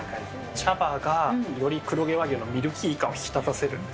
茶葉がより黒毛和牛のミルキー感を引き立たせるんです。